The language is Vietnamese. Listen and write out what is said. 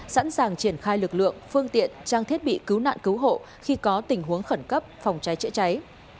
sẵn sàng triển khai lực lượng phương tiện trang thiết bị cứu nạn cứu hộ khi có tình huống khẩn cấp phòng cháy chữa cháy